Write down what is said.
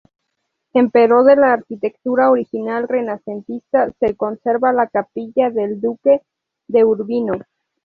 Empero, de la arquitectura original renacentista, se conserva la "Capilla del duque de Urbino".